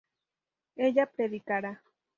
ella predicará